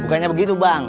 bukannya begitu bang